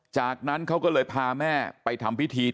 จากนั้นเขาก็เลยพาแม่ไปทำพิธี